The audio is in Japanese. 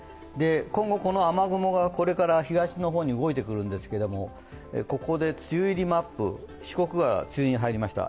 今後この雨雲がこれから東の方に動いてくるんですがここで梅雨入りマップ、四国が梅雨に入りました。